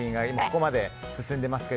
ここまで進んでいますが。